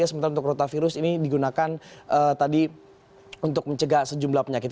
sementara untuk rotavirus ini digunakan tadi untuk mencegah sejumlah penyakit